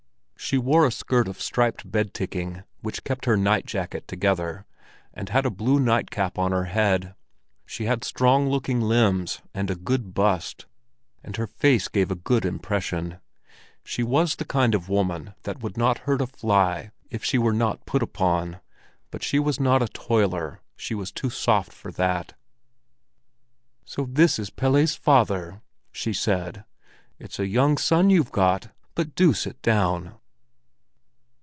She wore a skirt of striped bed ticking, which kept her night jacket together, and had a blue night cap on her head. She had strong looking limbs and a good bust, and her face gave a good impression. She was the kind of woman that would not hurt a fly if she were not put upon; but she was not a toiler—she was too soft for that. "So this is Pelle's father!" she said. "It's a young son you've got. But do sit down!"